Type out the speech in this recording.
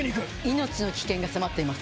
命の危険が迫っています。